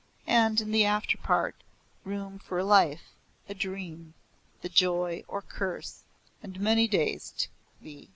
And in the afterpart, room for a life, a dream, the joy or curse & many days to be.